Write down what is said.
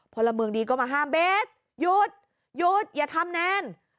พลเมืองดีก็มาห้ามเบสหยุดหยุดอย่าทำแนน